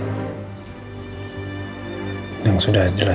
orang ada di mana makanya harganya libera